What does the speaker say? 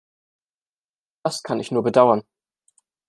Das kann ich nur bedauern.